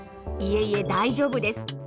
いえいえ大丈夫です。